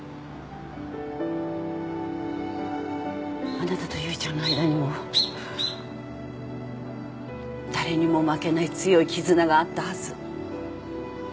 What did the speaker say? あなたと結衣ちゃんの間にも誰にも負けない強い絆があったはず。